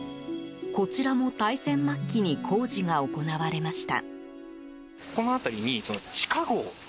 こちらも、大戦末期に工事が行われました。